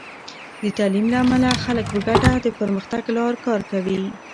د تعلیم له امله، خلک په ګډه د پرمختګ لپاره کار کوي.